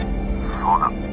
「そうだ」。